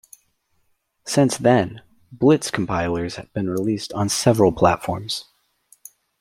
Since then, Blitz compilers have been released on several platforms.